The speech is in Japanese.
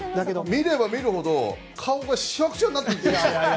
見れば見るほど顔がしわくちゃになってて。